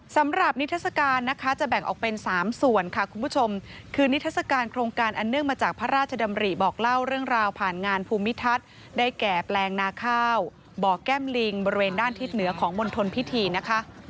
สำหรับนิทัศกาลนะคะจะแบ่งออกเป็น๓ส่วนค่ะคุณผู้ชมคือนิทัศกาลโครงการอันเนื่องมาจากพระราชดำริบอกเล่าเรื่องราวผ่านงานภูมิทัศน์ได้แก่แปลงนาข้าวบ่อแก้มลิงบริเวณด้านทิศเหนือของมณฑลพิธีนะคะ